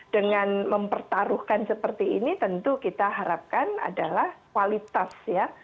dengan mempertaruhkan seperti ini tentu kita harapkan adalah kualitas ya